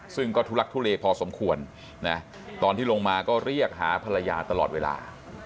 ซึ่งก็ทุลักทุเลพอสมควรนะตอนที่ลงมาก็เรียกหาภรรยาตลอดเวลา